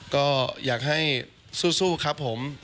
ก็อยากให้สู้ครับผม